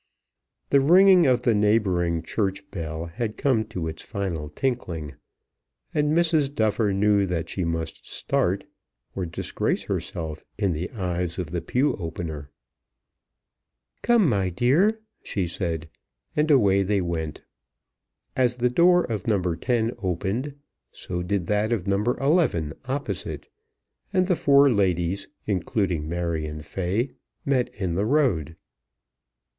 The ringing of the neighbouring church bell had come to its final tinkling, and Mrs. Duffer knew that she must start, or disgrace herself in the eyes of the pew opener. "Come, my dear," she said; and away they went. As the door of No. 10 opened so did that of No. 11 opposite, and the four ladies, including Marion Fay, met in the road.